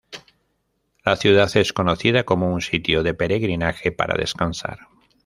La ciudad es conocida como un sitio de peregrinaje para descansar.